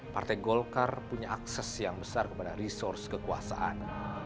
partai golkar punya akses yang besar kepada resource kekuasaan